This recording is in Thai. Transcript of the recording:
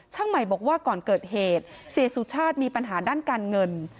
ใหม่บอกว่าก่อนเกิดเหตุเสียสุชาติมีปัญหาด้านการเงิน